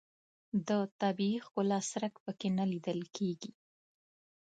د طبیعي ښکلا څرک په کې نه لیدل کېږي.